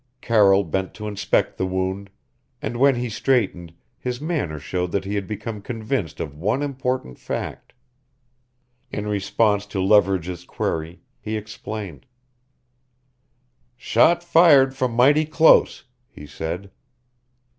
Carroll bent to inspect the wound, and when he straightened his manner showed that he had become convinced of one important fact. In response to Leverage's query, he explained: "Shot fired from mighty close," he said.